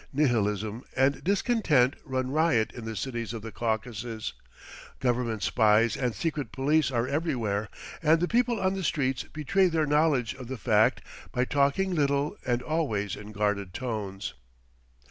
Nihilism and discontent run riot in the cities of the Caucasus; government spies and secret police are everywhere, and the people on the streets betray their knowledge of the fact by talking little and always in guarded tones.